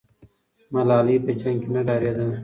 ملالۍ په جنګ کې نه ډارېده.